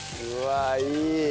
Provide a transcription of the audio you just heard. うわいい！